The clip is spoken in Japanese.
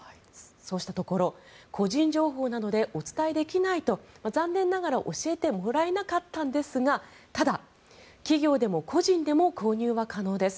そうしたところ個人情報なのでお伝えできないと残念ながら教えてもらえなかったんですがただ、企業でも個人でも購入は可能です。